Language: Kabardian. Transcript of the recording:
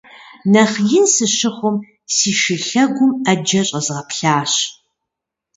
Нэхъ ин сыщыхъум, си шы лъэгум Ӏэджэ щӀэзгъэплъащ.